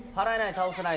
倒せない・